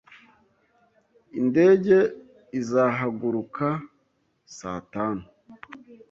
Indege izahaguruka saa tanu.